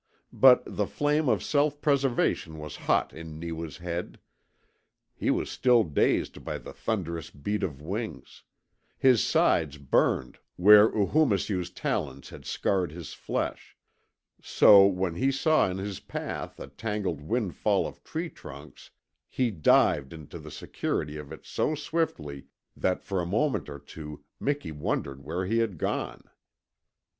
But the flame of self preservation was hot in Neewa's head; he was still dazed by the thunderous beat of wings; his sides burned where Oohoomisew's talons had scarred his flesh; so, when he saw in his path a tangled windfall of tree trunks he dived into the security of it so swiftly that for a moment or two Miki wondered where he had gone.